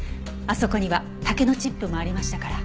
あそこには竹のチップもありましたから。